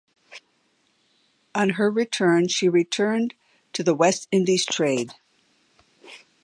On her return she returned to the West Indies trade.